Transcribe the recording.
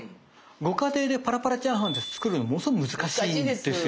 ご家庭でパラパラチャーハンって作るのものすごく難しいですよ。